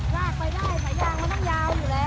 ไม่มีการรัดแชร์โดยเรือ